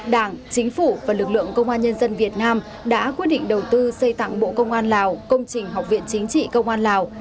đảng chính phủ và lực lượng công an nhân dân việt nam đã quyết định đầu tư xây tặng bộ công an lào công trình học viện chính trị công an lào